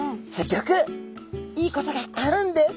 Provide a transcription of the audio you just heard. ギョくいいことがあるんです。